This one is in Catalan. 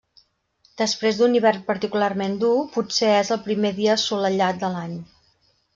Després d'un hivern particularment dur, potser és el primer dia assolellat de l'any.